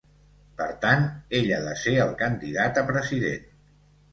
Per tant, ell ha de ser el candidat a president.